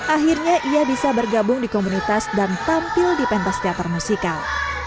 akhirnya ia bisa bergabung di komunitas dan tampil di pentas teater musikal